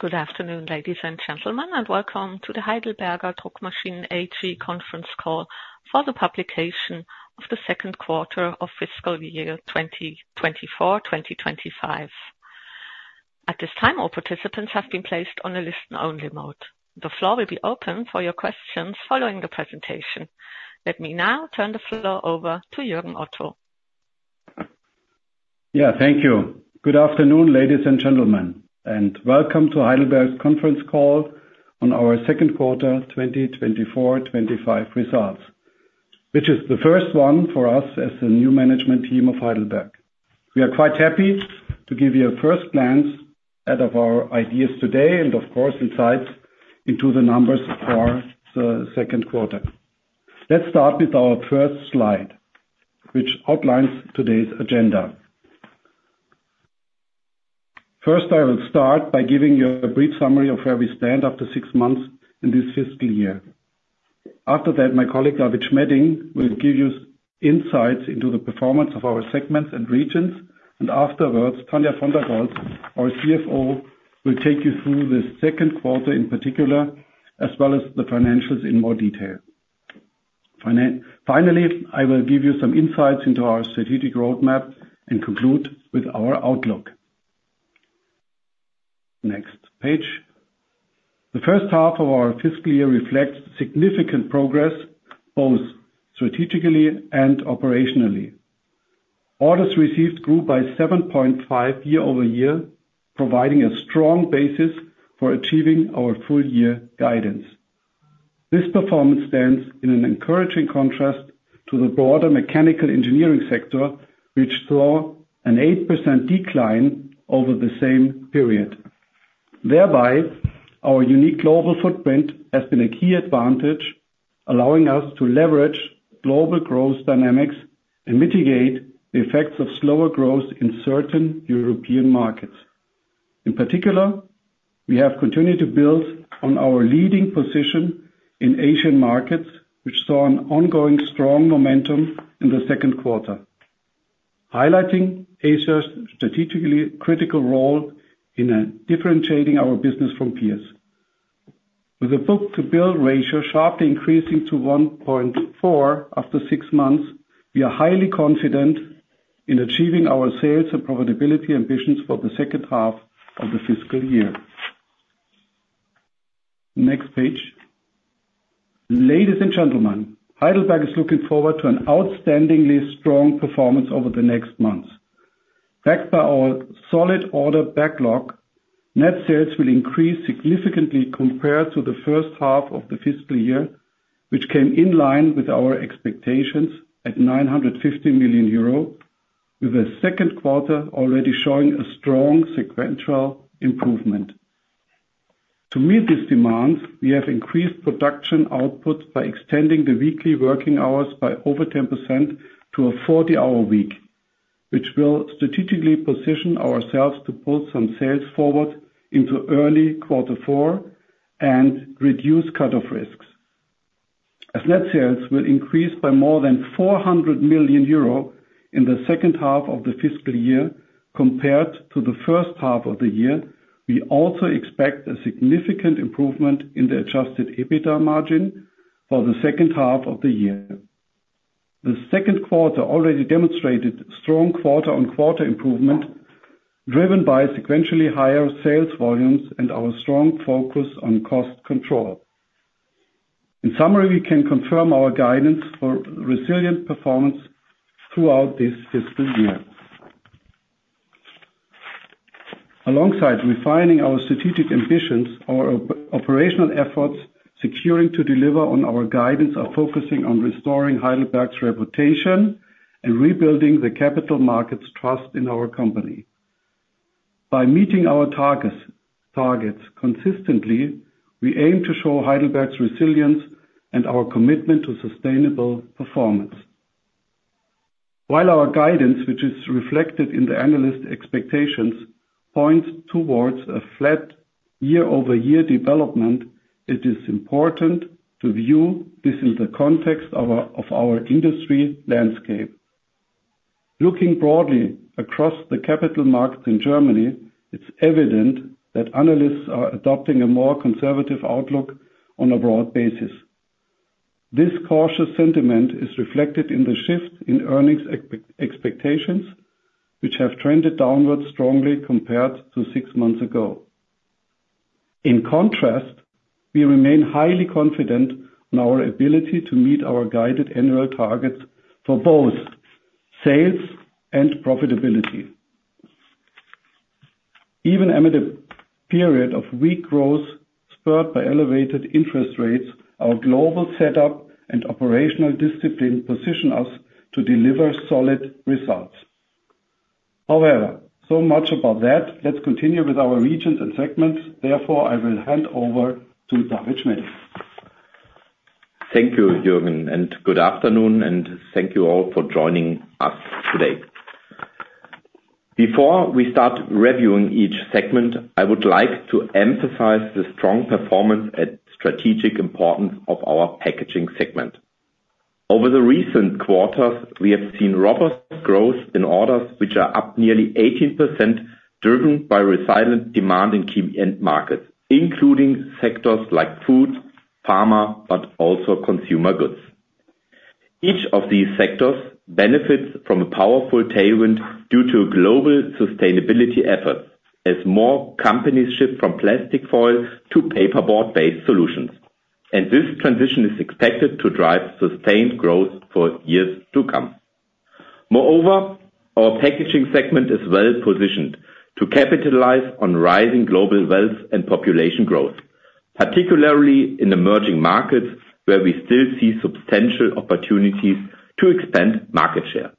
Good afternoon, ladies and gentlemen, and welcome to the HEIDELBERG Druckmaschinen AG conference call for the publication of the second quarter of fiscal year 2024-2025. At this time, all participants have been placed on a listen-only mode. The floor will be open for your questions following the presentation. Let me now turn the floor over to Jürgen Otto. Yeah, thank you. Good afternoon, ladies and gentlemen, and welcome to HEIDELBERG's conference call on our second quarter 2024-2025 results, which is the first one for us as the new management team of HEIDELBERG. We are quite happy to give you a first glance at our ideas today and, of course, insights into the numbers for the second quarter. Let's start with our first slide, which outlines today's agenda. First, I will start by giving you a brief summary of where we stand after six months in this fiscal year. After that, my colleague David Schmedding will give you insights into the performance of our segments and regions, and afterwards, Tania von der Goltz, our CFO, will take you through the second quarter in particular, as well as the financials in more detail. Finally, I will give you some insights into our strategic roadmap and conclude with our outlook. Next page. The first half of our fiscal year reflects significant progress both strategically and operationally. Orders received grew by 7.5% year-over-year, providing a strong basis for achieving our full-year guidance. This performance stands in an encouraging contrast to the broader mechanical engineering sector, which saw an 8% decline over the same period. Thereby, our unique global footprint has been a key advantage, allowing us to leverage global growth dynamics and mitigate the effects of slower growth in certain European markets. In particular, we have continued to build on our leading position in Asian markets, which saw an ongoing strong momentum in the second quarter, highlighting Asia's strategically critical role in differentiating our business from peers. With the book-to-bill ratio sharply increasing to 1.4 after six months, we are highly confident in achieving our sales and profitability ambitions for the second half of the fiscal year. Next page. Ladies and gentlemen, HEIDELBERG is looking forward to an outstandingly strong performance over the next months. Backed by our solid order backlog, net sales will increase significantly compared to the first half of the fiscal year, which came in line with our expectations at 950 million euro, with the second quarter already showing a strong sequential improvement. To meet these demands, we have increased production output by extending the weekly working hours by over 10% to a 40-hour week, which will strategically position ourselves to pull some sales forward into early quarter four and reduce cut-off risks. As net sales will increase by more than 400 million euro in the second half of the fiscal year compared to the first half of the year, we also expect a significant improvement in the adjusted EBITDA margin for the second half of the year. The second quarter already demonstrated strong quarter-on-quarter improvement driven by sequentially higher sales volumes and our strong focus on cost control. In summary, we can confirm our guidance for resilient performance throughout this fiscal year. Alongside refining our strategic ambitions, our operational efforts securing to deliver on our guidance are focusing on restoring HEIDELBERG's reputation and rebuilding the capital markets' trust in our company. By meeting our targets consistently, we aim to show HEIDELBERG's resilience and our commitment to sustainable performance. While our guidance, which is reflected in the analyst expectations, points towards a flat year-over-year development, it is important to view this in the context of our industry landscape. Looking broadly across the capital markets in Germany, it's evident that analysts are adopting a more conservative outlook on a broad basis. This cautious sentiment is reflected in the shift in earnings expectations, which have trended downward strongly compared to six months ago. In contrast, we remain highly confident in our ability to meet our guided annual targets for both sales and profitability. Even amid a period of weak growth spurred by elevated interest rates, our global setup and operational discipline position us to deliver solid results. However, so much about that. Let's continue with our regions and segments. Therefore, I will hand over to David Schmedding. Thank you, Jürgen, and good afternoon, and thank you all for joining us today. Before we start reviewing each segment, I would like to emphasize the strong performance and strategic importance of our Packaging segment. Over the recent quarters, we have seen robust growth in orders, which are up nearly 18%, driven by resilient demand in key end markets, including sectors like food, pharma, but also consumer goods. Each of these sectors benefits from a powerful tailwind due to global sustainability efforts, as more companies shift from plastic foil to paperboard-based solutions, and this transition is expected to drive sustained growth for years to come. Moreover, our Packaging segment is well-positioned to capitalize on rising global wealth and population growth, particularly in emerging markets where we still see substantial opportunities to expand market share.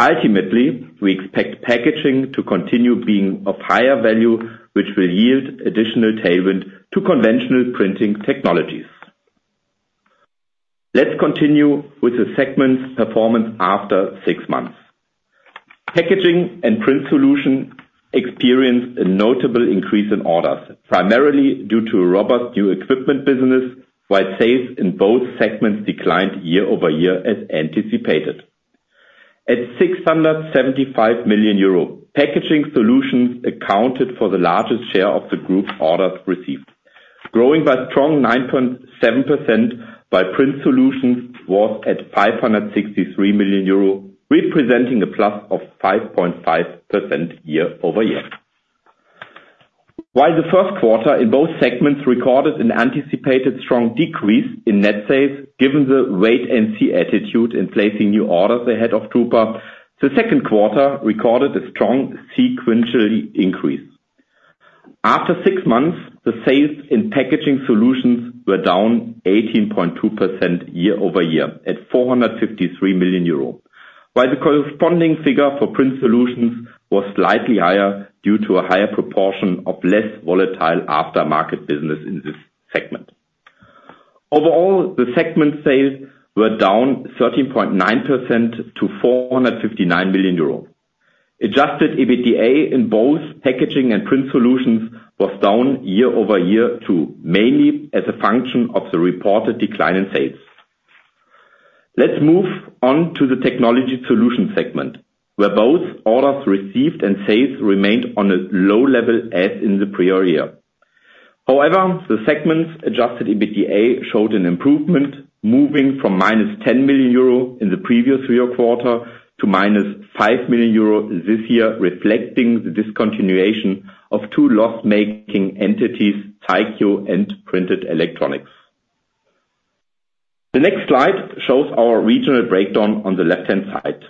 Ultimately, we expect Packaging to continue being of higher value, which will yield additional tailwind to conventional printing technologies. Let's continue with the segment's performance after six months. Packaging and Print Solutions experienced a notable increase in orders, primarily due to a robust new equipment business, while sales in both segments declined year-over-year as anticipated. At 675 million euro, Packaging Solutions accounted for the largest share of the group's orders received, growing by a strong 9.7%, while Print Solutions were at 563 million euro, representing a plus of 5.5% year-over-year. While the first quarter in both segments recorded an anticipated strong decrease in net sales, given the wait-and-see attitude in placing new orders ahead of drupa, the second quarter recorded a strong sequential increase. After six months, the sales in Packaging Solutions were down 18.2% year-over-year at 453 million euro, while the corresponding figure for Print Solutions was slightly higher due to a higher proportion of less volatile Aftermarket business in this segment. Overall, the segment sales were down 13.9% to 459 million euro. adjusted EBITDA in both Packaging and Print Solutions was down year-over-year to mainly as a function of the reported decline in sales. Let's move on to the Technology Solutions segment, where both orders received and sales remained on a low level as in the prior year. However, the segment's adjusted EBITDA showed an improvement, moving from -10 million euro in the previous quarter to -5 million euro this year, reflecting the discontinuation of two loss-making entities, Zaikio and Printed Electronics. The next slide shows our regional breakdown on the left-hand side.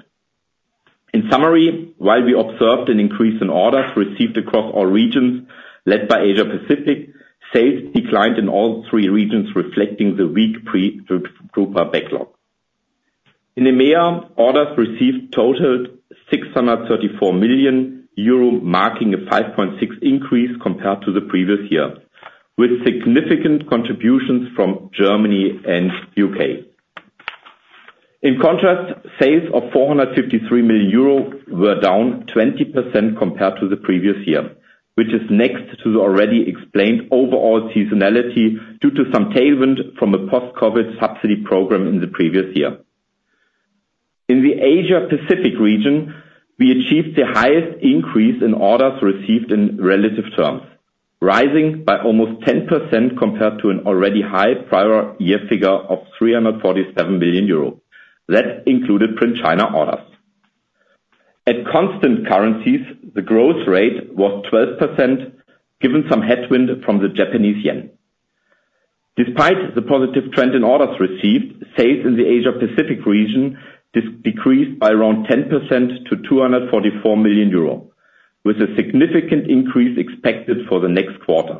In summary, while we observed an increase in orders received across all regions, led by Asia-Pacific, sales declined in all three regions, reflecting the weak pre-drupa backlog. In EMEA, orders received totaled 634 million euro, marking a 5.6% increase compared to the previous year, with significant contributions from Germany and the U.K. In contrast, sales of 453 million euro were down 20% compared to the previous year, which is next to the already explained overall seasonality due to some tailwind from a post-COVID subsidy program in the previous year. In the Asia-Pacific region, we achieved the highest increase in orders received in relative terms, rising by almost 10% compared to an already high prior year figure of 347 million euros. That included Print China orders. At constant currencies, the growth rate was 12%, given some headwind from the Japanese yen. Despite the positive trend in orders received, sales in the Asia-Pacific region decreased by around 10% to 244 million euro, with a significant increase expected for the next quarter.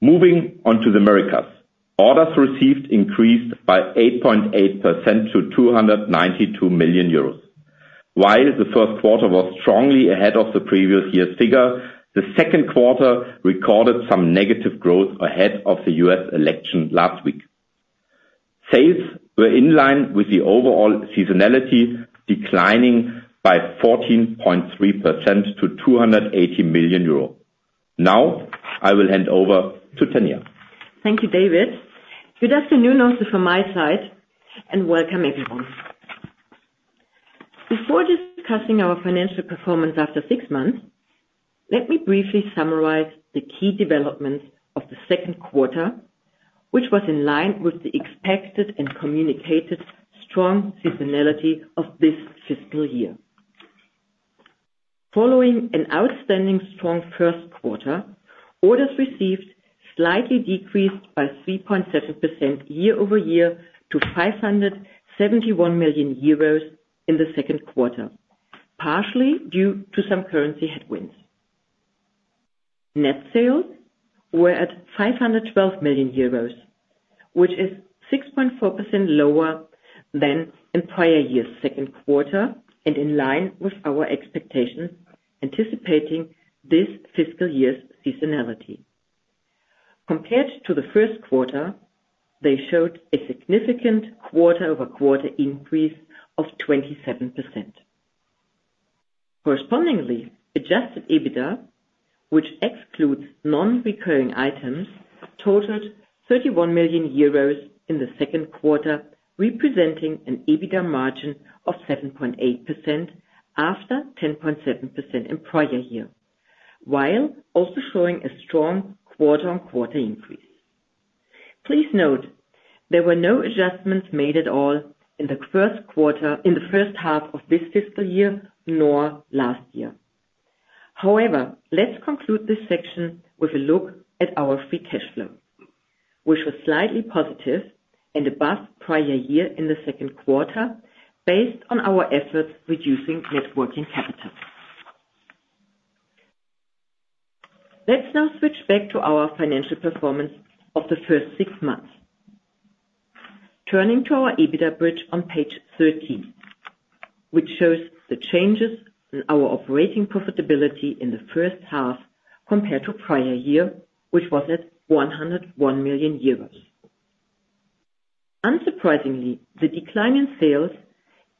Moving on to the Americas, orders received increased by 8.8% to 292 million euros. While the first quarter was strongly ahead of the previous year's figure, the second quarter recorded some negative growth ahead of the U.S. election last week. Sales were in line with the overall seasonality, declining by 14.3% to 280 million euro. Now, I will hand over to Tania. Thank you, David. Good afternoon also from my side, and welcome everyone. Before discussing our financial performance after six months, let me briefly summarize the key developments of the second quarter, which was in line with the expected and communicated strong seasonality of this fiscal year. Following an outstanding strong first quarter, orders received slightly decreased by 3.7% year-over-year to 571 million euros in the second quarter, partially due to some currency headwinds. Net sales were at 512 million euros, which is 6.4% lower than in prior year's second quarter and in line with our expectations anticipating this fiscal year's seasonality. Compared to the first quarter, they showed a significant quarter-over-quarter increase of 27%. Correspondingly, adjusted EBITDA, which excludes non-recurring items, totaled 31 million euros in the second quarter, representing an EBITDA margin of 7.8% after 10.7% in prior year, while also showing a strong quarter-on-quarter increase. Please note there were no adjustments made at all in the first quarter in the first half of this fiscal year nor last year. However, let's conclude this section with a look at our free cash flow, which was slightly positive and above prior year in the second quarter based on our efforts reducing net working capital. Let's now switch back to our financial performance of the first six months. Turning to our EBITDA bridge on page 13, which shows the changes in our operating profitability in the first half compared to prior year, which was at 101 million euros. Unsurprisingly, the decline in sales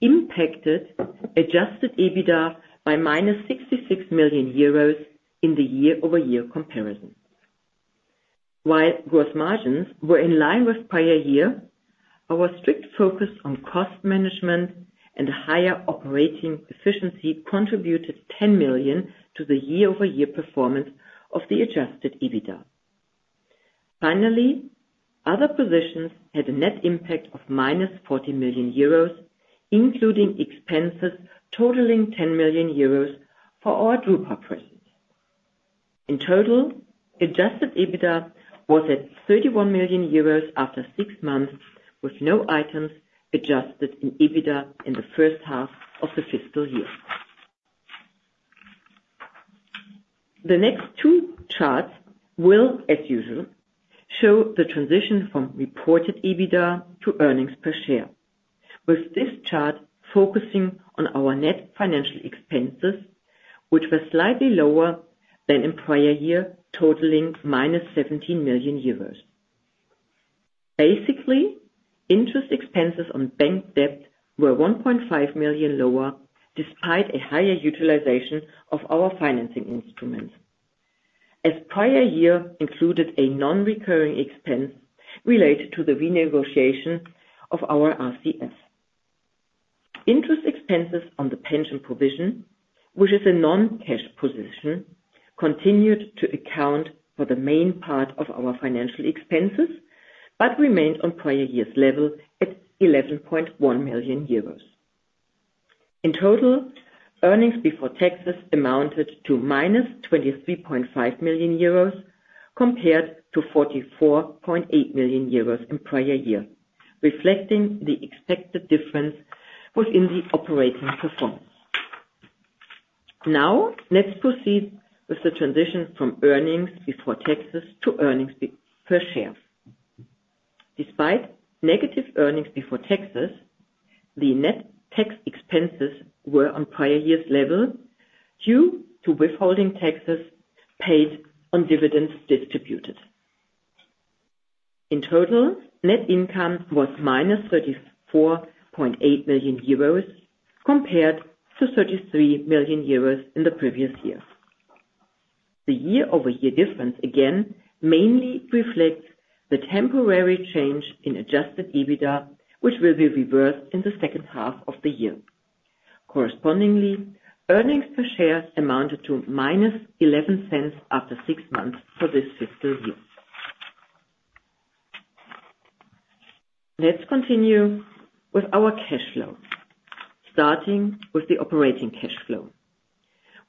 impacted adjusted EBITDA by -66 million euros in the year-over-year comparison. While gross margins were in line with prior year, our strict focus on cost management and higher operating efficiency contributed 10 million to the year-over-year performance of the adjusted EBITDA. Finally, other positions had a net impact of -40 million euros, including expenses totaling 10 million euros for our drupa presence. In total, adjusted EBITDA was at 31 million euros after six months with no items adjusted in EBITDA in the first half of the fiscal year. The next two charts will, as usual, show the transition from reported EBITDA to earnings per share, with this chart focusing on our net financial expenses, which were slightly lower than in prior year, totaling -17 million euros. Basically, interest expenses on bank debt were 1.5 million lower despite a higher utilization of our financing instruments, as prior year included a non-recurring expense related to the renegotiation of our RCF. Interest expenses on the pension provision, which is a non-cash position, continued to account for the main part of our financial expenses but remained on prior year's level at 11.1 million euros. In total, earnings before taxes amounted to -23.5 million euros compared to 44.8 million euros in prior year, reflecting the expected difference within the operating performance. Now, let's proceed with the transition from earnings before taxes to earnings per share. Despite negative earnings before taxes, the net tax expenses were on prior year's level due to withholding taxes paid on dividends distributed. In total, net income was -34.8 million euros compared to 33 million euros in the previous year. The year-over-year difference again mainly reflects the temporary change in adjusted EBITDA, which will be reversed in the second half of the year. Correspondingly, earnings per share amounted to -0.11 after six months for this fiscal year. Let's continue with our cash flow, starting with the operating cash flow,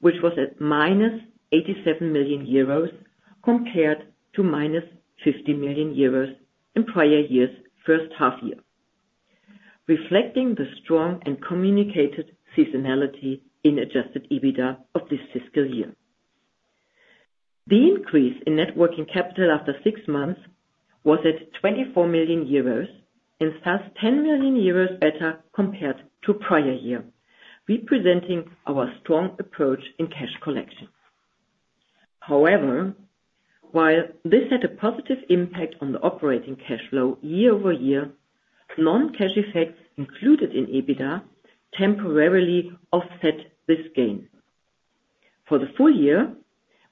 which was at -87 million euros compared to -50 million euros in prior year's first half year, reflecting the strong and communicated seasonality in adjusted EBITDA of this fiscal year. The increase in net working capital after six months was at 24 million euros and thus 10 million euros better compared to prior year, representing our strong approach in cash collection. However, while this had a positive impact on the operating cash flow year-over-year, non-cash effects included in EBITDA temporarily offset this gain. For the full year,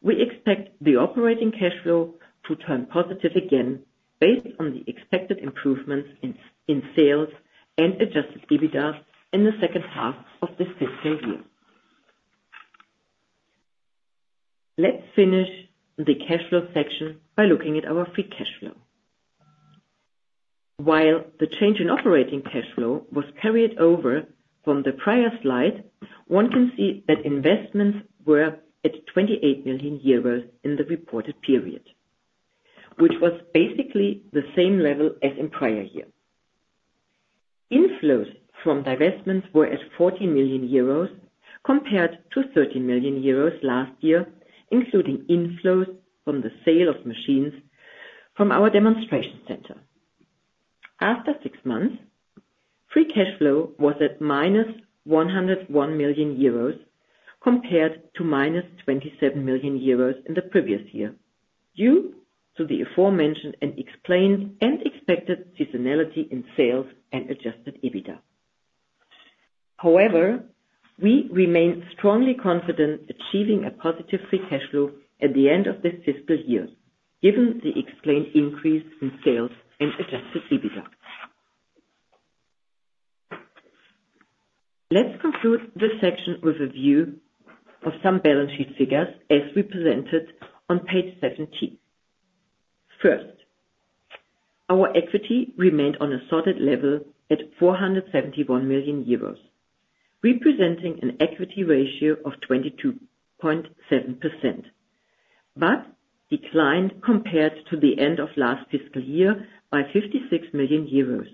we expect the operating cash flow to turn positive again based on the expected improvements in sales and adjusted EBITDA in the second half of this fiscal year. Let's finish the cash flow section by looking at our free cash flow. While the change in operating cash flow was carried over from the prior slide, one can see that investments were at 28 million euros in the reported period, which was basically the same level as in prior year. Inflows from divestments were at 40 million euros compared to 30 million euros last year, including inflows from the sale of machines from our demonstration center. After six months, free cash flow was at -101 million euros compared to -27 million euros in the previous year due to the aforementioned and explained and expected seasonality in sales and adjusted EBITDA. However, we remain strongly confident achieving a positive free cash flow at the end of this fiscal year, given the explained increase in sales and adjusted EBITDA. Let's conclude this section with a view of some balance sheet figures as represented on page 17. First, our equity remained on a solid level at 471 million euros, representing an equity ratio of 22.7%, but declined compared to the end of last fiscal year by 56 million euros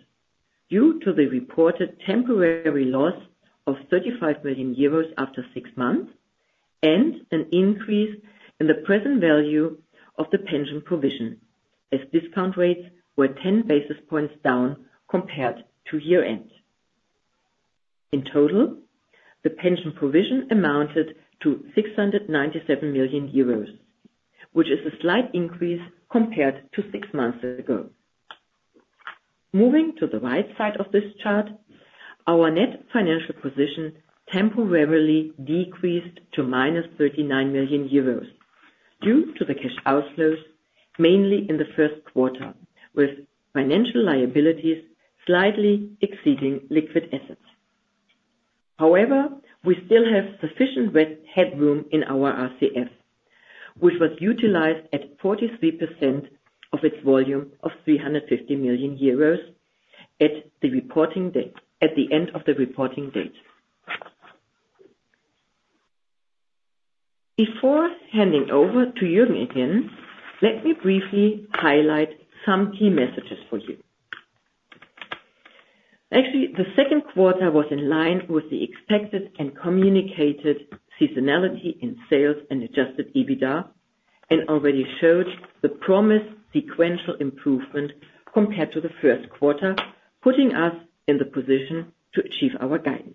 due to the reported temporary loss of 35 million euros after six months and an increase in the present value of the pension provision, as discount rates were 10 basis points down compared to year-end. In total, the pension provision amounted to 697 million euros, which is a slight increase compared to six months ago. Moving to the right side of this chart, our net financial position temporarily decreased to -39 million euros due to the cash outflows, mainly in the first quarter, with financial liabilities slightly exceeding liquid assets. However, we still have sufficient headroom in our RCF, which was utilized at 43% of its volume of 350 million euros at the reporting date. Before handing over to Jürgen again, let me briefly highlight some key messages for you. Actually, the second quarter was in line with the expected and communicated seasonality in sales and adjusted EBITDA and already showed the promised sequential improvement compared to the first quarter, putting us in the position to achieve our guidance.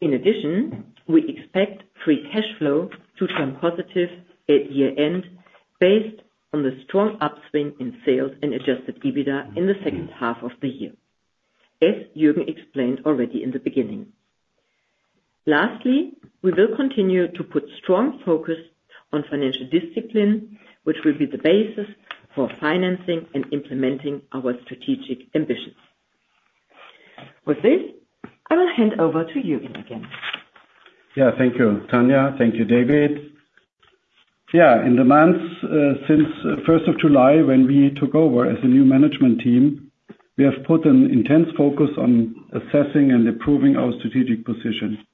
In addition, we expect free cash flow to turn positive at year-end based on the strong upswing in sales and adjusted EBITDA in the second half of the year, as Jürgen explained already in the beginning. Lastly, we will continue to put strong focus on financial discipline, which will be the basis for financing and implementing our strategic ambitions. With this, I will hand over to Jürgen again. Yeah, thank you, Tania. Thank you, David. Yeah, in the months since 1st of July, when we took over as a new management team, we have put an intense focus on assessing and improving our strategic position.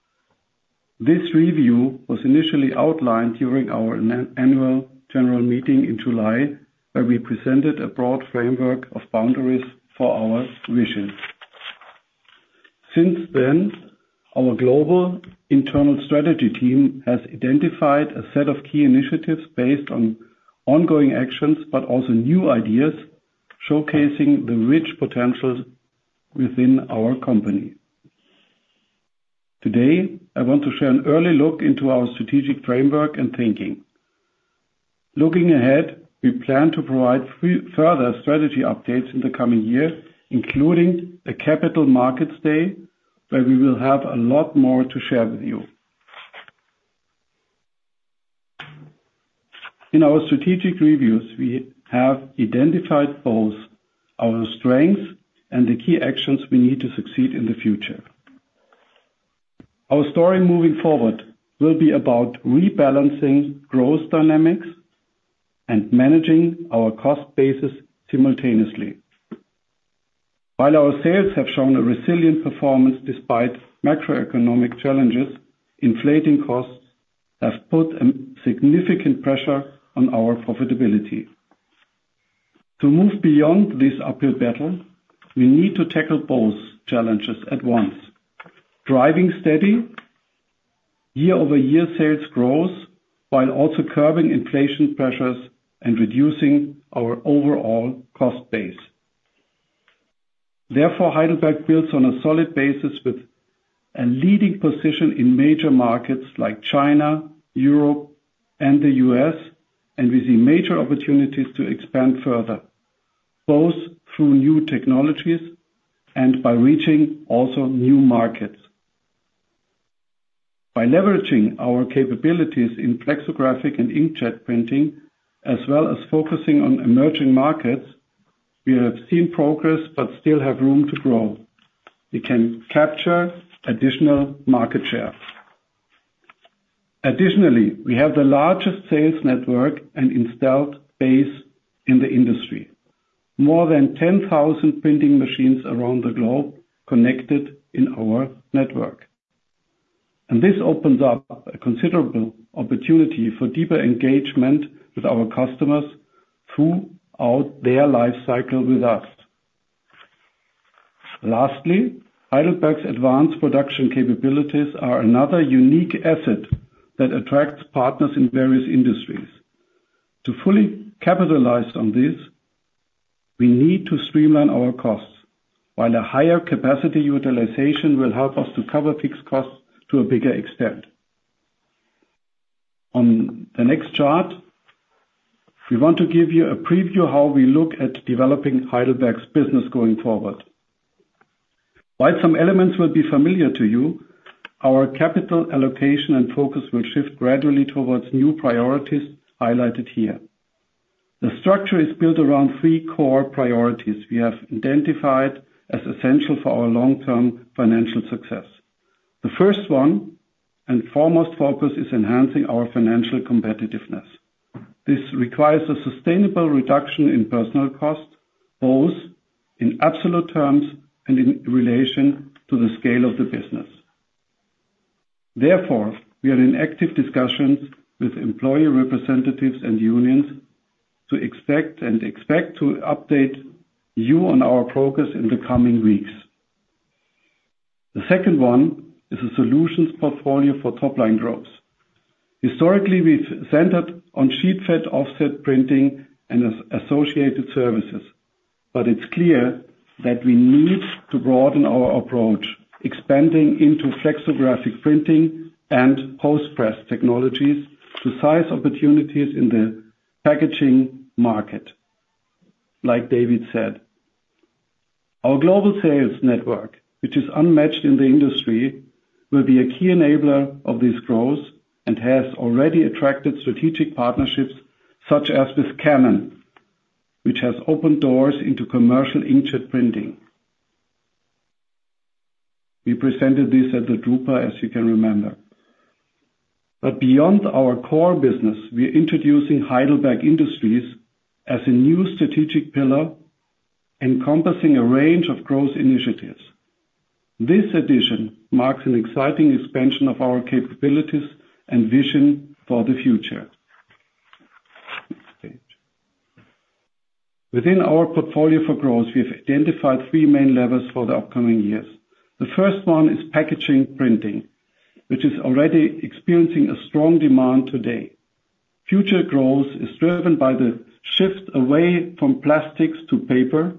This review was initially outlined during our annual general meeting in July, where we presented a broad framework of boundaries for our vision. Since then, our global internal strategy team has identified a set of key initiatives based on ongoing actions, but also new ideas showcasing the rich potential within our company. Today, I want to share an early look into our strategic framework and thinking. Looking ahead, we plan to provide further strategy updates in the coming year, including a capital markets day, where we will have a lot more to share with you. In our strategic reviews, we have identified both our strengths and the key actions we need to succeed in the future. Our story moving forward will be about rebalancing growth dynamics and managing our cost basis simultaneously. While our sales have shown a resilient performance despite macroeconomic challenges, inflating costs have put a significant pressure on our profitability. To move beyond this uphill battle, we need to tackle both challenges at once, driving steady year-over-year sales growth while also curbing inflation pressures and reducing our overall cost base. Therefore, HEIDELBERG builds on a solid basis with a leading position in major markets like China, Europe, and the U.S., and we see major opportunities to expand further, both through new technologies and by reaching also new markets. By leveraging our capabilities in flexographic and inkjet printing, as well as focusing on emerging markets, we have seen progress but still have room to grow. We can capture additional market share. Additionally, we have the largest sales network and installed base in the industry, more than 10,000 printing machines around the globe connected in our network. And this opens up a considerable opportunity for deeper engagement with our customers throughout their life cycle with us. Lastly, HEIDELBERG's advanced production capabilities are another unique asset that attracts partners in various industries. To fully capitalize on this, we need to streamline our costs, while a higher capacity utilization will help us to cover fixed costs to a bigger extent. On the next chart, we want to give you a preview of how we look at developing HEIDELBERG's business going forward. While some elements will be familiar to you, our capital allocation and focus will shift gradually towards new priorities highlighted here. The structure is built around three core priorities we have identified as essential for our long-term financial success. The first one and foremost focus is enhancing our financial competitiveness. This requires a sustainable reduction in personnel costs, both in absolute terms and in relation to the scale of the business. Therefore, we are in active discussions with employee representatives and unions to expect to update you on our progress in the coming weeks. The second one is a solutions portfolio for top-line growth. Historically, we've centered on sheet-fed offset printing and associated services, but it's clear that we need to broaden our approach, expanding into flexographic printing and post-press technologies to seize opportunities in the packaging market, like David said. Our Global Sales Network, which is unmatched in the industry, will be a key enabler of this growth and has already attracted strategic partnerships, such as with Canon, which has opened doors into commercial inkjet printing. We presented this at the drupa, as you can remember. But beyond our core business, we are introducing HEIDELBERG Industries as a new strategic pillar encompassing a range of growth initiatives. This addition marks an exciting expansion of our capabilities and vision for the future. Within our portfolio for growth, we have identified three main levers for the upcoming years. The first one is Packaging Printing, which is already experiencing a strong demand today. Future growth is driven by the shift away from plastics to paper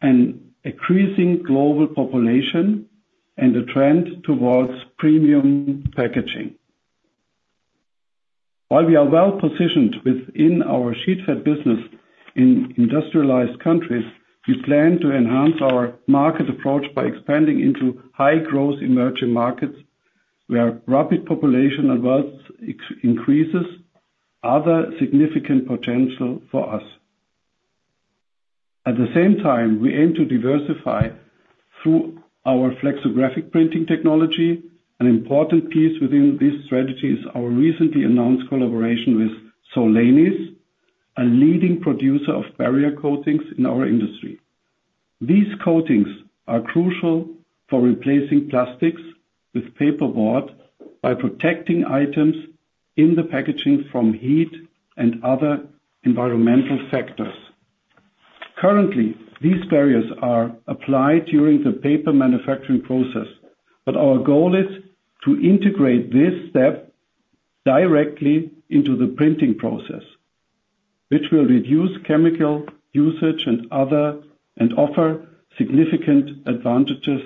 and increasing global population and the trend towards premium packaging. While we are well-positioned within our sheet-fed business in industrialized countries, we plan to enhance our market approach by expanding into high-growth emerging markets, where rapid population and wealth increases are the significant potential for us. At the same time, we aim to diversify through our flexographic printing technology. An important piece within this strategy is our recently announced collaboration with Solenis, a leading producer of barrier coatings in our industry. These coatings are crucial for replacing plastics with paperboard by protecting items in the packaging from heat and other environmental factors. Currently, these barriers are applied during the paper manufacturing process, but our goal is to integrate this step directly into the printing process, which will reduce chemical usage and offer significant advantages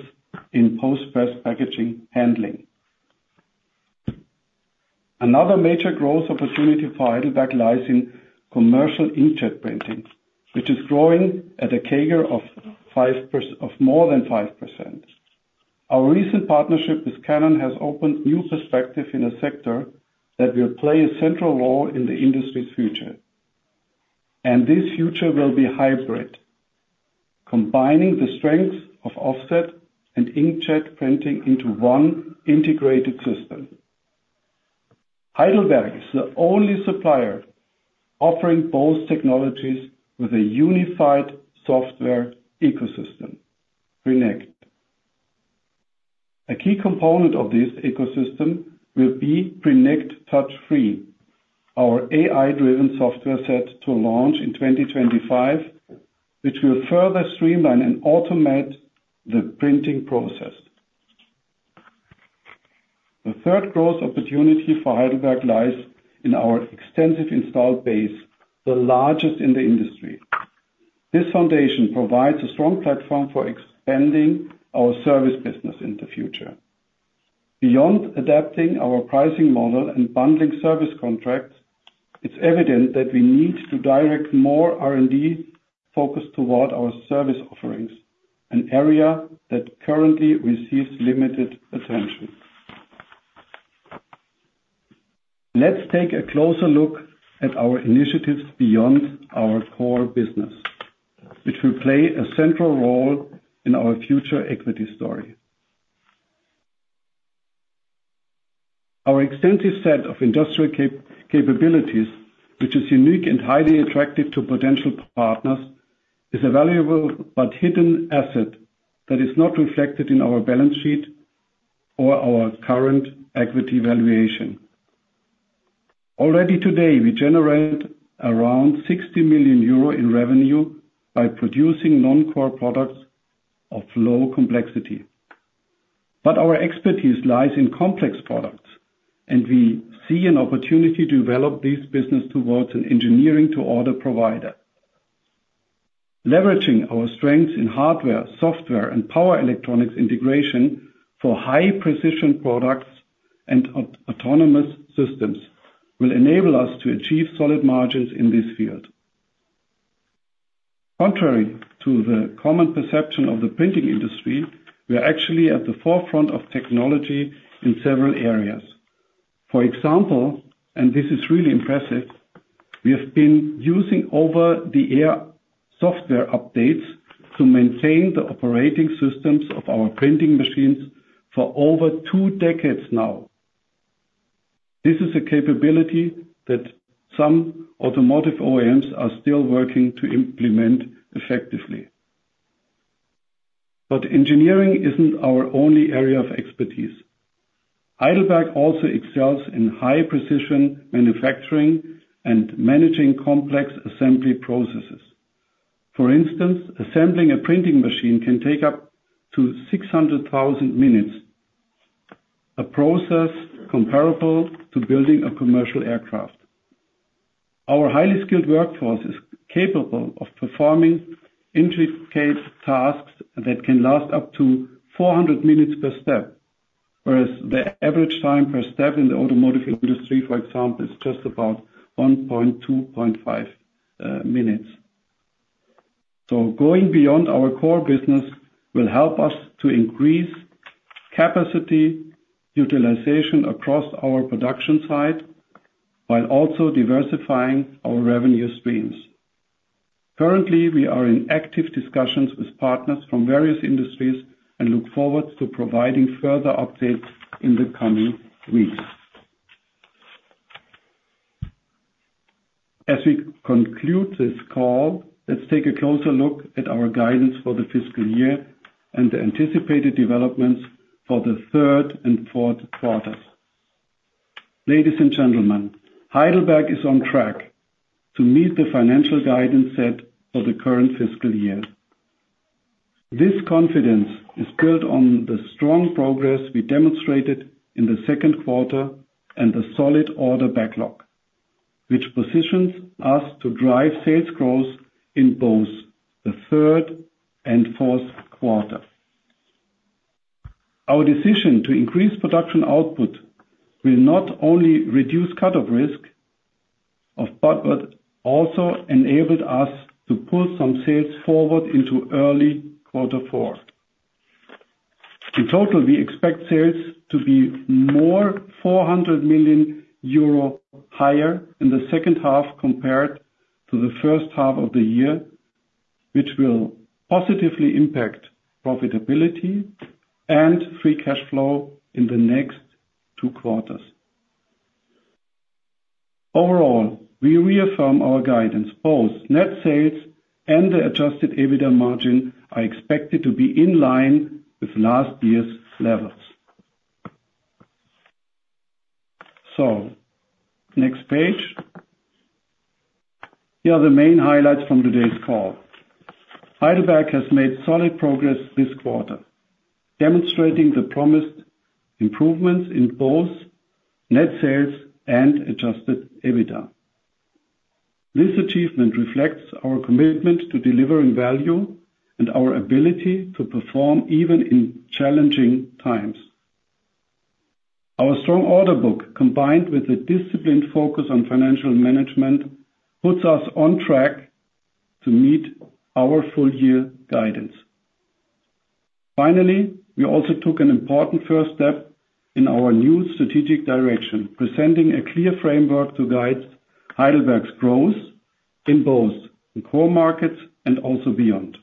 in post-press packaging handling. Another major growth opportunity for HEIDELBERG lies in commercial inkjet printing, which is growing at a CAGR of more than 5%. Our recent partnership with Canon has opened new perspectives in a sector that will play a central role in the industry's future, and this future will be hybrid, combining the strengths of offset and inkjet printing into one integrated system. HEIDELBERG is the only supplier offering both technologies with a unified software ecosystem, Prinect. A key component of this ecosystem will be Prinect Touch Free, our AI-driven software set to launch in 2025, which will further streamline and automate the printing process. The third growth opportunity for HEIDELBERG lies in our extensive installed base, the largest in the industry. This foundation provides a strong platform for expanding our service business in the future. Beyond adapting our pricing model and bundling service contracts, it's evident that we need to direct more R&D focus toward our service offerings, an area that currently receives limited attention. Let's take a closer look at our initiatives beyond our core business, which will play a central role in our future equity story. Our extensive set of industrial capabilities, which is unique and highly attractive to potential partners, is a valuable but hidden asset that is not reflected in our balance sheet or our current equity valuation. Already today, we generate around 60 million euro in revenue by producing non-core products of low complexity. But our expertise lies in complex products, and we see an opportunity to develop this business towards an engineering-to-order provider. Leveraging our strengths in hardware, software, and power electronics integration for high-precision products and autonomous systems will enable us to achieve solid margins in this field. Contrary to the common perception of the printing industry, we are actually at the forefront of technology in several areas. For example, and this is really impressive, we have been using over-the-air software updates to maintain the operating systems of our printing machines for over two decades now. This is a capability that some automotive OEMs are still working to implement effectively. But engineering isn't our only area of expertise. HEIDELBERG also excels in high-precision manufacturing and managing complex assembly processes. For instance, assembling a printing machine can take up to 600,000 minutes, a process comparable to building a commercial aircraft. Our highly skilled workforce is capable of performing intricate tasks that can last up to 400 minutes per step, whereas the average time per step in the automotive industry, for example, is just about 1.25 minutes. So going beyond our core business will help us to increase capacity utilization across our production site while also diversifying our revenue streams. Currently, we are in active discussions with partners from various industries and look forward to providing further updates in the coming weeks. As we conclude this call, let's take a closer look at our guidance for the fiscal year and the anticipated developments for the third and fourth quarters. Ladies and gentlemen, HEIDELBERG is on track to meet the financial guidance set for the current fiscal year. This confidence is built on the strong progress we demonstrated in the second quarter and the solid order backlog, which positions us to drive sales growth in both the third and fourth quarter. Our decision to increase production output will not only reduce cut-off risk, but also enabled us to pull some sales forward into early quarter four. In total, we expect sales to be more 400 million euro higher in the second half compared to the first half of the year, which will positively impact profitability and free cash flow in the next two quarters. Overall, we reaffirm our guidance. Both net sales and the adjusted EBITDA margin are expected to be in line with last year's levels. So, next page. Here are the main highlights from today's call. HEIDELBERG has made solid progress this quarter, demonstrating the promised improvements in both net sales and adjusted EBITDA. This achievement reflects our commitment to delivering value and our ability to perform even in challenging times. Our strong order book, combined with a disciplined focus on financial management, puts us on track to meet our full-year guidance. Finally, we also took an important first step in our new strategic direction, presenting a clear framework to guide HEIDELBERG's growth in both core markets and also beyond.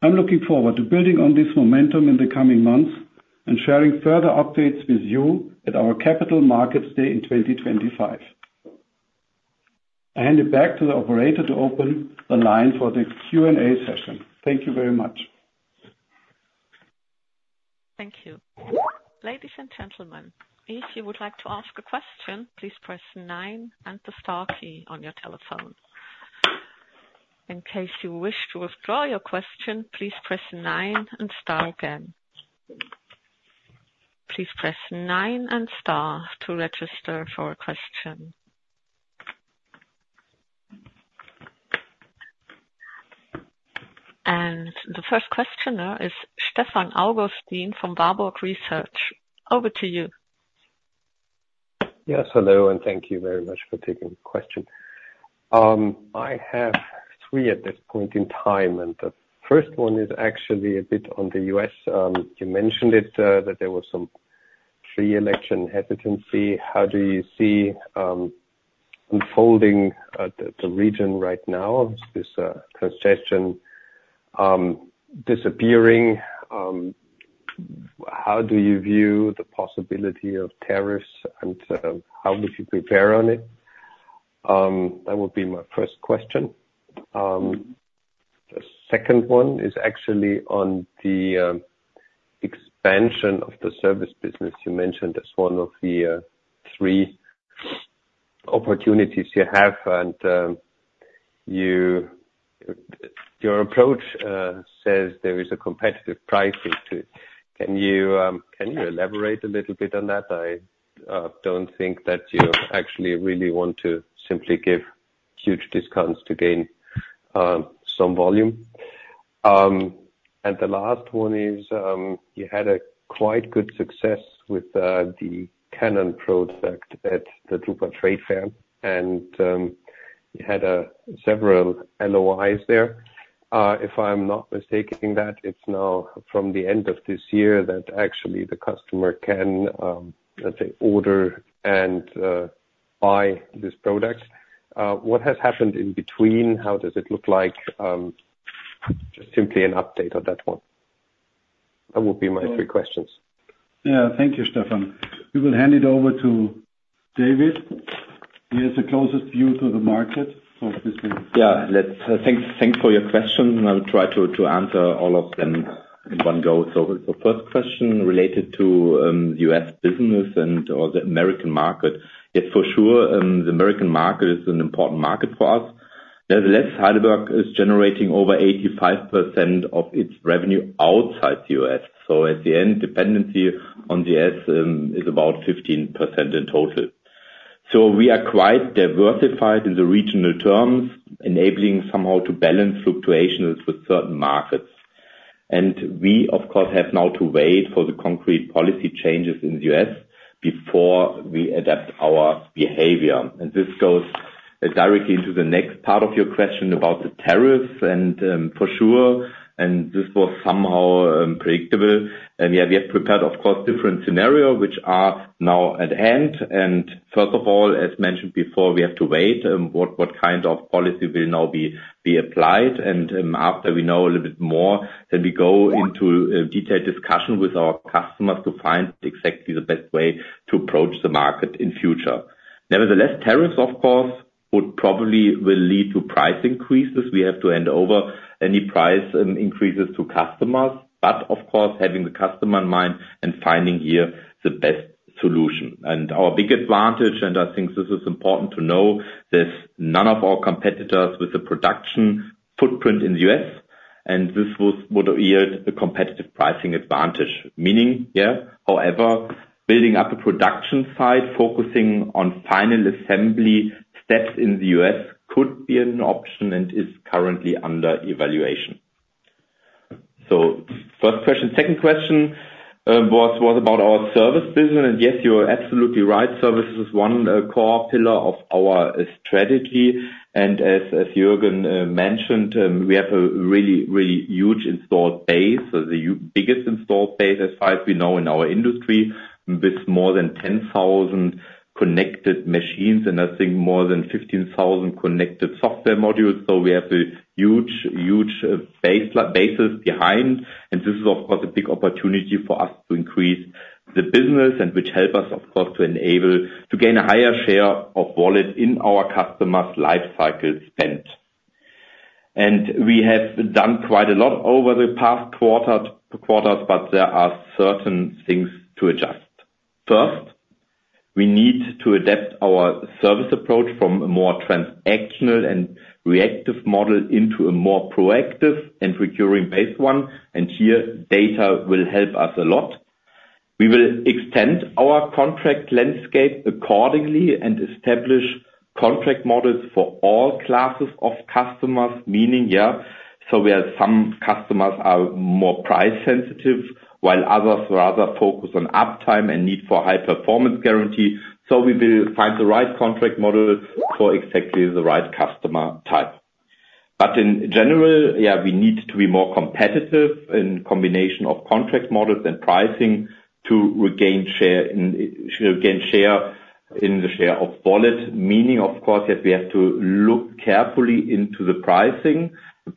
I'm looking forward to building on this momentum in the coming months and sharing further updates with you at our Capital Markets Day in 2025. I hand it back to the operator to open the line for the Q&A session. Thank you very much. Thank you. Ladies and gentlemen, if you would like to ask a question, please press nine and the star key on your telephone. In case you wish to withdraw your question, please press nine and star again. Please press nine and star to register for a question. And the first questioner is Stefan Augustin from Warburg Research. Over to you. Yes, hello, and thank you very much for taking the question. I have three at this point in time, and the first one is actually a bit on the U.S. You mentioned it, that there was some recession hesitancy. How do you see the region unfolding right now, this recession disappearing? How do you view the possibility of tariffs, and how would you prepare for it? That would be my first question. The second one is actually on the expansion of the service business. You mentioned it was one of the three opportunities you have, and your approach says there is a competitive pricing to it. Can you elaborate a little bit on that? I don't think that you actually really want to simply give huge discounts to gain some volume. And the last one is you had a quite good success with the Canon project at the drupa trade fair, and you had several LOIs there. If I'm not mistaken, that it's now from the end of this year that actually the customer can, let's say, order and buy this product. What has happened in between? How does it look like? Just simply an update on that one. That would be my three questions. Yeah, thank you, Stefan. We will hand it over to David. He has the closest view to the market. Yeah, thanks for your questions. I'll try to answer all of them in one go. So the first question related to the U.S. business and/or the American market. Yes, for sure, the American market is an important market for us. Nevertheless, HEIDELBERG is generating over 85% of its revenue outside the U.S. So at the end, dependency on the U.S. is about 15% in total. So we are quite diversified in the regional terms, enabling somehow to balance fluctuations with certain markets. And we, of course, have now to wait for the concrete policy changes in the U.S. before we adapt our behavior. And this goes directly into the next part of your question about the tariffs. And for sure, and this was somehow predictable, and yeah, we have prepared, of course, different scenarios, which are now at hand. And first of all, as mentioned before, we have to wait on what kind of policy will now be applied. And after we know a little bit more, then we go into a detailed discussion with our customers to find exactly the best way to approach the market in future. Nevertheless, tariffs, of course, would probably lead to price increases. We have to hand over any price increases to customers, but of course, having the customer in mind and finding here the best solution. And our big advantage, and I think this is important to know, there's none of our competitors with a production footprint in the U.S., and this would yield a competitive pricing advantage. Meaning, yeah, however, building up a production site, focusing on final assembly steps in the U.S. could be an option and is currently under evaluation. So first question. Second question was about our service business. And yes, you are absolutely right. Service is one core pillar of our strategy. And as Jürgen mentioned, we have a really, really huge installed base, so the biggest installed base as far as we know in our industry, with more than 10,000 connected machines and I think more than 15,000 connected software modules. So we have a huge, huge basis behind, and this is, of course, a big opportunity for us to increase the business, which helps us, of course, to enable to gain a higher share of wallet in our customers' lifecycle spend. And we have done quite a lot over the past quarters, but there are certain things to adjust. First, we need to adapt our service approach from a more transactional and reactive model into a more proactive and procuring-based one, and here, data will help us a lot. We will extend our contract landscape accordingly and establish contract models for all classes of customers, meaning, yeah, so where some customers are more price-sensitive while others rather focus on uptime and need for high-performance guarantee, so we will find the right contract model for exactly the right customer type. But in general, yeah, we need to be more competitive in combination of contract models and pricing to regain share in the share of wallet. Meaning, of course, yes, we have to look carefully into the pricing, the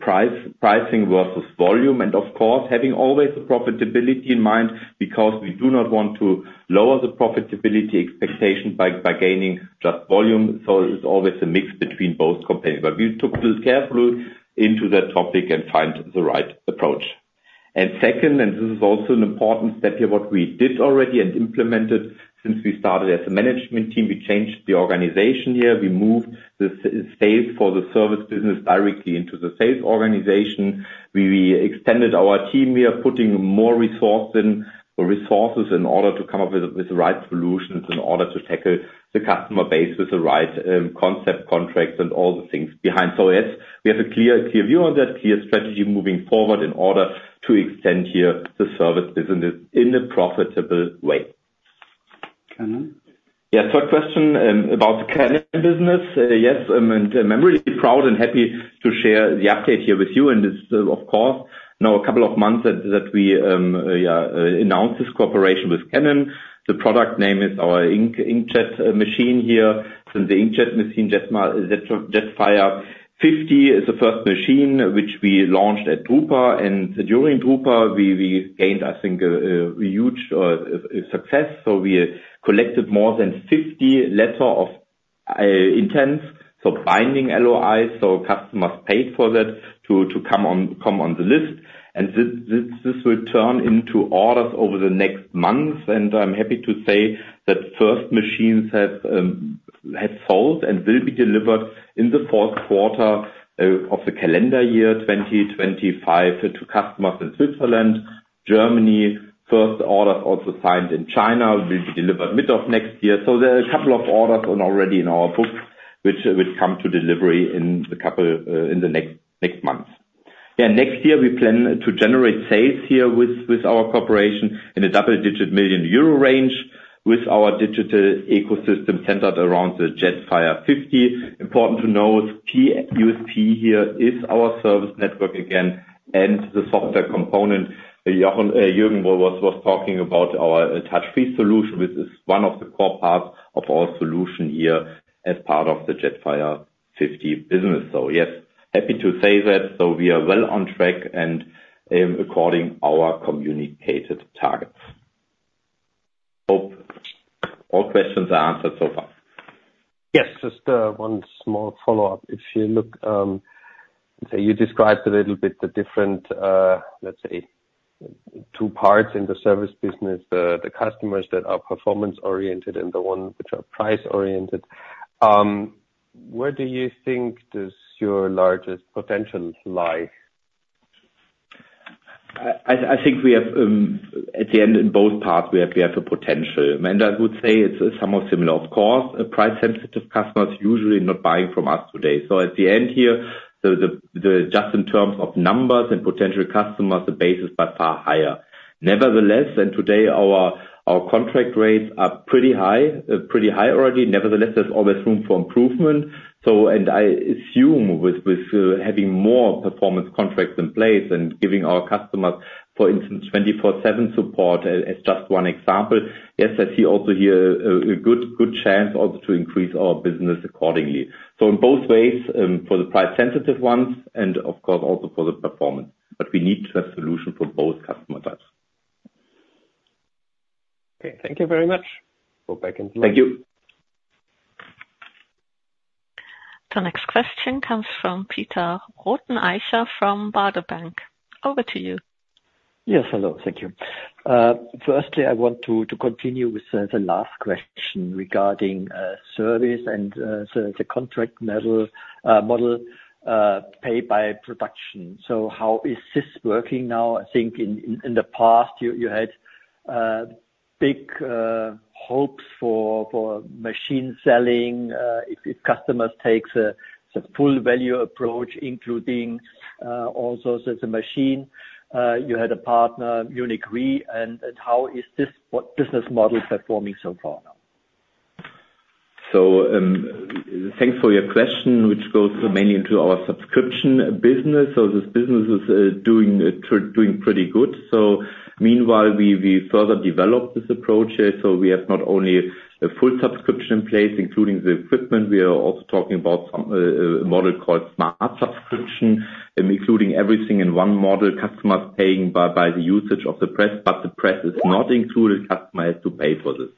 pricing versus volume, and of course, having always the profitability in mind because we do not want to lower the profitability expectation by gaining just volume. So it's always a mix between both companies. But we took a little carefully into that topic and find the right approach. And second, and this is also an important step here, what we did already and implemented since we started as a management team, we changed the organization here. We moved the sales for the service business directly into the sales organization. We extended our team here, putting more resources in order to come up with the right solutions in order to tackle the customer base with the right concept contracts and all the things behind. So yes, we have a clear view on that, clear strategy moving forward in order to extend here the service business in a profitable way. Canon? Yeah, third question about the Canon business. Yes, I'm really proud and happy to share the update here with you. And it's, of course, now a couple of months that we announced this cooperation with Canon. The product name is our inkjet machine here. And the inkjet machine, Jetfire 50, is the first machine which we launched at drupa. And during drupa, we gained, I think, a huge success. So we collected more than 50 letters of intent, so binding LOIs. So customers paid for that to come on the list. And this will turn into orders over the next months. And I'm happy to say that first machines have sold and will be delivered in the fourth quarter of the calendar year, 2025, to customers in Switzerland, Germany. First orders also signed in China will be delivered mid of next year. So there are a couple of orders already in our books which will come to delivery in the next months. Yeah, next year, we plan to generate sales here with our cooperation in a double-digit million EUR range with our digital ecosystem centered around the Jetfire 50. Important to note, the USP here is our service network again, and the software component. Jürgen was talking about our touch-free solution, which is one of the core parts of our solution here as part of the Jetfire 50 business. So yes, happy to say that. So we are well on track and according to our communicated targets. Hope all questions are answered so far. Yes, just one small follow-up. If you look, let's say you described a little bit the different, let's say, two parts in the service business, the customers that are performance-oriented and the ones which are price-oriented. Where do you think does your largest potential lie? I think we have, at the end, in both parts, we have a potential. And I would say it's somewhat similar, of course. Price-sensitive customers usually not buying from us today. So at the end here, just in terms of numbers and potential customers, the base is by far higher. Nevertheless, and today, our contract rates are pretty high, pretty high already. Nevertheless, there's always room for improvement. And I assume with having more performance contracts in place and giving our customers, for instance, 24/7 support as just one example, yes, I see also here a good chance also to increase our business accordingly. So in both ways, for the price-sensitive ones and, of course, also for the performance. But we need to have a solution for both customer types. Okay, thank you very much. Welcome. Thank you. The next question comes from Peter Rothenaicher from Baader Bank. Over to you. Yes, hello. Thank you. Firstly, I want to continue with the last question regarding service and the contract model paid by production. So how is this working now? I think in the past, you had big hopes for machine selling. If customers take the full-value approach, including also the machine, you had a partner, Munich Re. How is this business model performing so far now? Thanks for your question, which goes mainly into our subscription business. This business is doing pretty good. Meanwhile, we further developed this approach here. We have not only a Full Subscription in place, including the equipment. We are also talking about a model called Smart Subscription, including everything in one model, customers paying by the usage of the press, but the press is not included. Customer has to pay for this.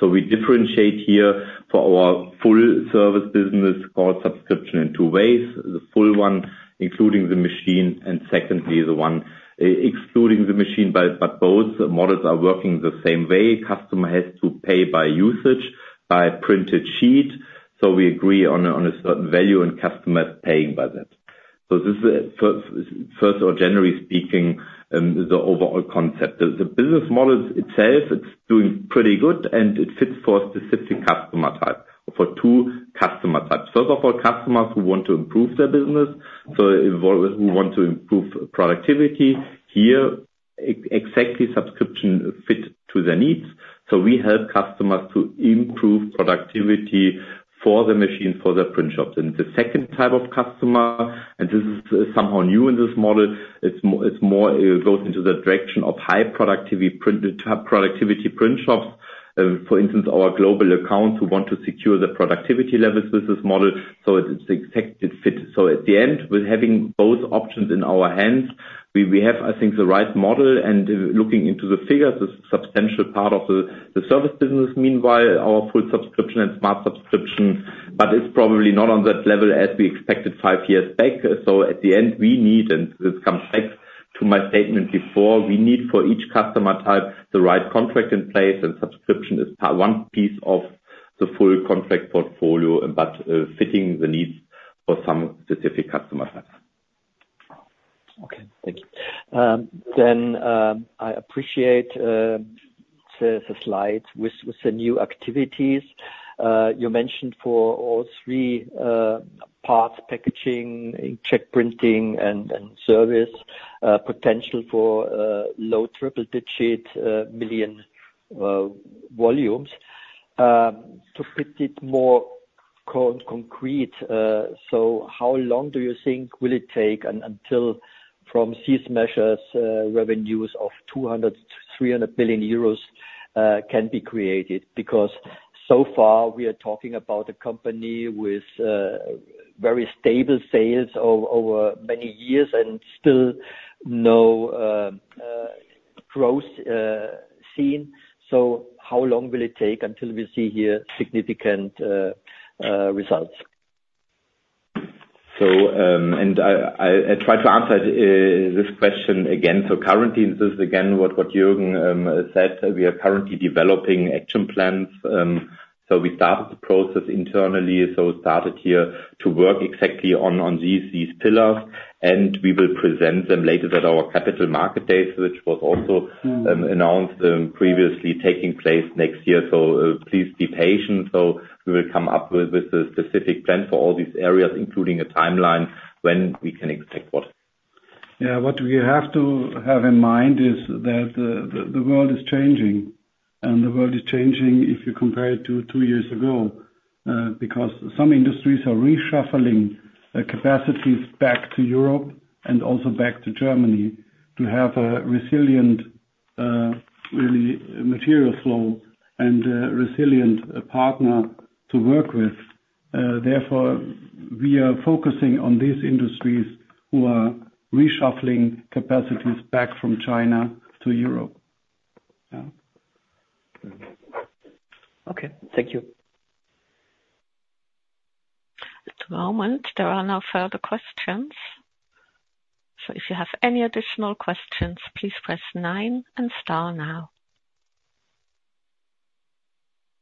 We differentiate here for our full-service business called subscription in two ways. The full one, including the machine, and secondly, the one excluding the machine, but both models are working the same way. Customer has to pay by usage, by printed sheet. We agree on a certain value, and customer is paying by that. So this is, first or generally speaking, the overall concept. The business model itself, it's doing pretty good, and it fits for a specific customer type, for two customer types. First of all, customers who want to improve their business, so who want to improve productivity. Here, exactly subscription fits to their needs. So we help customers to improve productivity for the machines, for the print shops. And the second type of customer, and this is somehow new in this model, it goes into the direction of high productivity print shops. For instance, our global accounts who want to secure the productivity levels with this model. So it's exactly fit. So at the end, with having both options in our hands, we have, I think, the right model. And looking into the figures, it's a substantial part of the service business. Meanwhile, our Full Subscription and Smart Subscription, but it's probably not on that level as we expected five years back. So at the end, we need, and this comes back to my statement before, we need for each customer type the right contract in place, and subscription is one piece of the full contract portfolio, but fitting the needs for some specific customer types. Okay, thank you. Then I appreciate the slides with the new activities. You mentioned for all three parts, packaging, inkjet printing, and service, potential for low triple-digit million volumes. To put it more concrete, so how long do you think will it take until from these measures, revenues of 200 million-300 million euros can be created? Because so far, we are talking about a company with very stable sales over many years and still no growth seen. So, how long will it take until we see here significant results? And I try to answer this question again. So currently, this is again what Jürgen said. We are currently developing action plans. So we started the process internally. So we started here to work exactly on these pillars. And we will present them later at our capital market days, which was also announced previously taking place next year. So please be patient. So we will come up with a specific plan for all these areas, including a timeline when we can expect what. Yeah, what we have to have in mind is that the world is changing. And the world is changing if you compare it to two years ago because some industries are reshuffling capacities back to Europe and also back to Germany to have a resilient, really material flow and resilient partner to work with. Therefore, we are focusing on these industries who are reshuffling capacities back from China to Europe. Okay, thank you. At the moment, there are no further questions. So if you have any additional questions, please press nine and star now.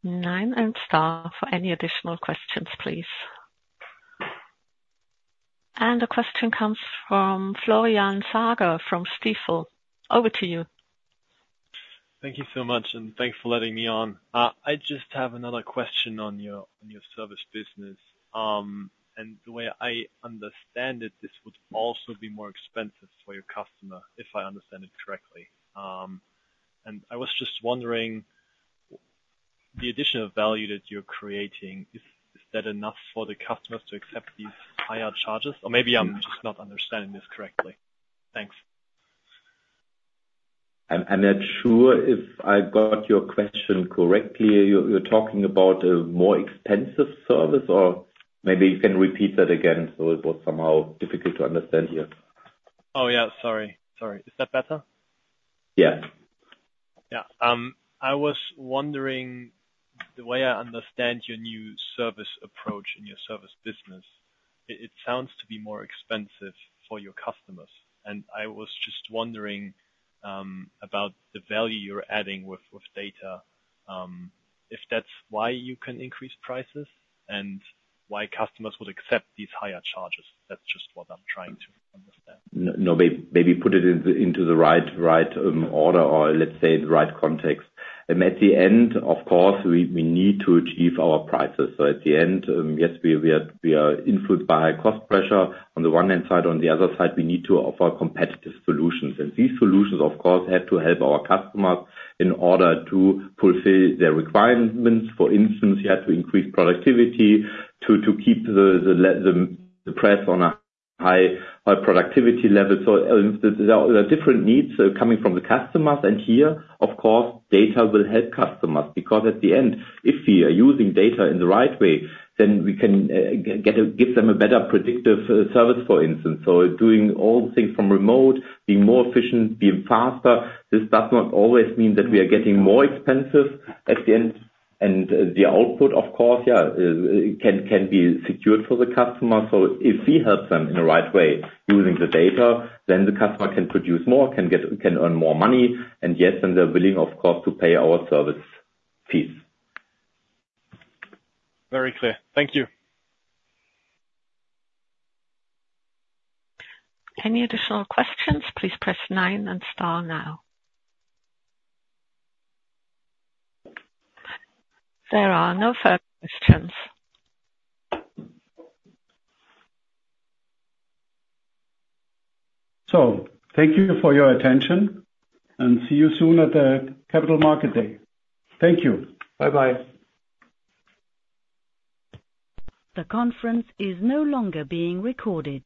Nine and star for any additional questions, please. And the question comes from Florian Sager from Stifel. Over to you. Thank you so much. And thanks for letting me on. I just have another question on your service business. And the way I understand it, this would also be more expensive for your customer, if I understand it correctly. And I was just wondering, the additional value that you're creating, is that enough for the customers to accept these higher charges? Or maybe I'm just not understanding this correctly. Thanks. I'm not sure if I got your question correctly. You're talking about a more expensive service, or maybe you can repeat that again so it was somehow difficult to understand here. Oh, yeah. Sorry. Sorry. Is that better? Yeah. Yeah. I was wondering, the way I understand your new service approach in your service business, it sounds to be more expensive for your customers. And I was just wondering about the value you're adding with data, if that's why you can increase prices and why customers would accept these higher charges. That's just what I'm trying to understand. No, maybe put it into the right order or let's say the right context. At the end, of course, we need to achieve our prices. So at the end, yes, we are influenced by high cost pressure on the one hand side. On the other side, we need to offer competitive solutions. These solutions, of course, have to help our customers in order to fulfill their requirements. For instance, you have to increase productivity to keep the press on a high productivity level. There are different needs coming from the customers. Here, of course, data will help customers because at the end, if we are using data in the right way, then we can give them a better predictive service, for instance. Doing all things from remote, being more efficient, being faster, this does not always mean that we are getting more expensive at the end. The output, of course, yeah, can be secured for the customer. If we help them in the right way using the data, then the customer can produce more, can earn more money. Yes, then they're willing, of course, to pay our service fees. Very clear. Thank you. Any additional questions? Please press nine and star now. There are no further questions. So thank you for your attention, and see you soon at the Capital Markets day. Thank you. Bye-bye. The conference is no longer being recorded.